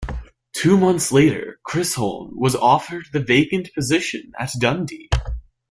Two months later, Chisholm was offered the vacant position at Dundee.